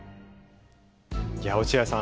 落合さん